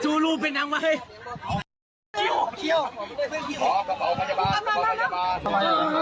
ซูลูเป็นน้องไหม